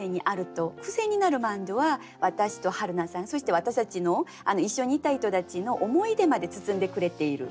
クセになるマンドゥは私とはるなさんそして私たちの一緒に行った人たちの思い出まで包んでくれている。